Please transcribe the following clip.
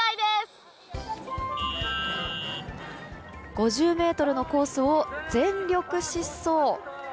５０ｍのコースを全力疾走。